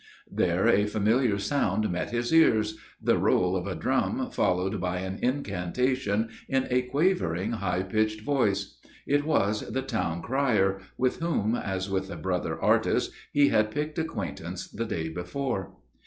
There a familiar sound met his ears the roll of a drum followed by an incantation in a quavering, high pitched voice. It was the Town Crier, with whom, as with a brother artist, he had picked acquaintance the day before.